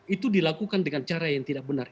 itu dilakukan dengan cara yang tidak benar